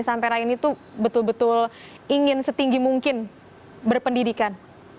sampai raini itu betul betul ingin setinggi mungkin berpendidikan